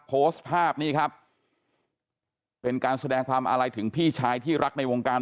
โพสต์ภาพนี่ครับเป็นการแสดงความอาลัยถึงพี่ชายที่รักในวงการ